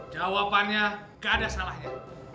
jawabannya nggak ada salahnya